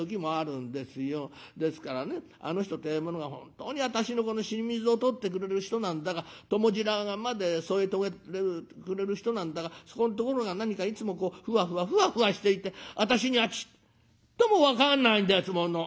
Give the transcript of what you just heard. ですからねあの人ってえものが本当に私の死に水を取ってくれる人なんだか共白髪まで添え遂げてくれる人なんだかそこんところが何かいつもこうふわふわふわふわしていて私にはちっとも分かんないんですもの」。